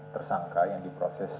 tersangka yang diproses